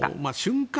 瞬間